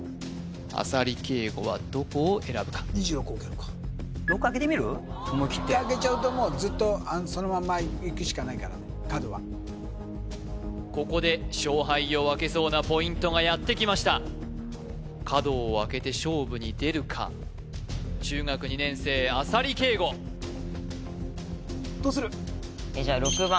浅利圭吾はどこを選ぶか２６置けるか思い切って一回あけちゃうとずっとそのままいくしかないからね角はここで勝敗を分けそうなポイントがやってきました角をあけて勝負に出るか中学２年生浅利圭吾どうする？